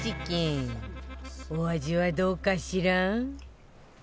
お味はどうかしら？